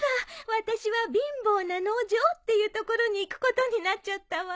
私は貧乏な農場っていうところに行くことになっちゃったわ。